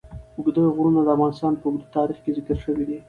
اوږده غرونه د افغانستان په اوږده تاریخ کې ذکر شوی دی.